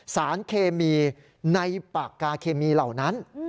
สารเคมีในปากกาเคมีเหล่านั้น